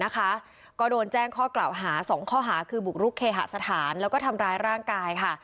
ก็โดนแจ้งข้อกล่าวหา๒ข้อหาคือบุกรุกเคหสถานแล้วก็ทำร้ายร่างกายค่ะ